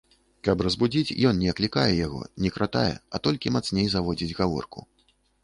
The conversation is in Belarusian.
Каб разбудзіць, ён не аклікае яго, не кратае, а толькі мацней заводзіць гаворку.